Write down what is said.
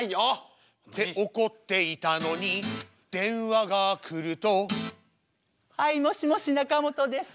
って怒っていたのに電話がくるとはいもしもしなかもとです。